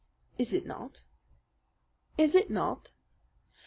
"Is it not? Is it not?